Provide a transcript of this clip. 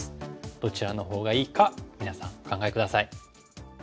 どちらのほうがいいか皆さんお考え下さい。